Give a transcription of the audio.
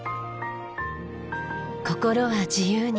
心は自由に。